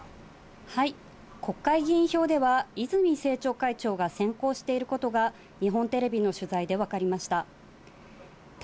国会議員票では泉政調会長が先行していることが、日本テレビの取材で分かりました。